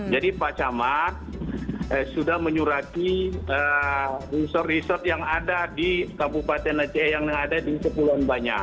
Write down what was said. jadi pak camar sudah menyurati resort resort yang ada di kabupaten aceh yang ada di kepulauan banyak